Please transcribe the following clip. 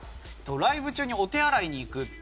ライブ中にお手洗いに行く。